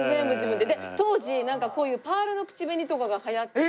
で当時なんかこういうパールの口紅とかがはやってて。